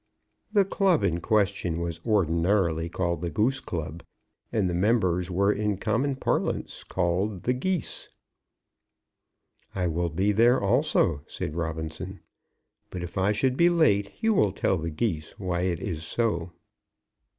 The club in question was ordinarily called the Goose Club, and the members were in common parlance called "The Geese." "I will be there also," said Robinson. "But if I should be late, you will tell the Geese why it is so."